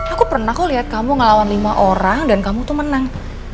aku pernah kok lihat kamu ngelawan lima orang dan kamu tuh menang